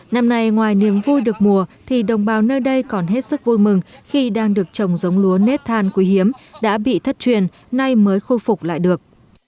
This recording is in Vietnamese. năm nay ngoài niềm vui được mùa thì đồng bào nơi đây còn hết sức vui mừng khi đang được trồng giống lúa nếp than quý hiếm đã bị thất truyền nay mới khôi phục lại được